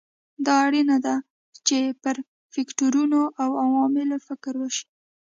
دا اړینه ده چې پر فکټورونو او عواملو فکر وشي.